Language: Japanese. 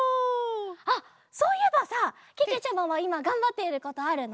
あっそういえばさけけちゃまはいまがんばっていることあるの？